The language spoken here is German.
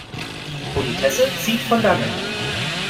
Die Politesse zieht von Dannen.